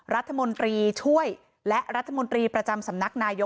รัฐมนตรีช่วยและรัฐมนตรีประจำสำนักนายก